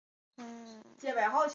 永昌府是中国古代的一个府。